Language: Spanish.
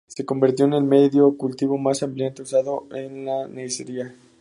Se convirtió en el medio de cultivo más ampliamente usado para la Neisseria.